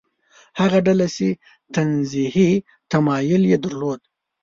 هغه ډله چې تنزیهي تمایل یې درلود.